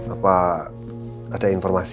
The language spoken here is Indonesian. apa ada informasi